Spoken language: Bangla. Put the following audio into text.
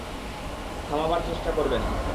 থামাবার চেষ্টা করবে না।